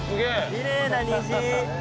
きれいな虹。